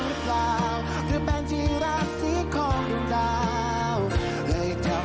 ไม่เชื่อไปฟังกันหน่อยค่ะ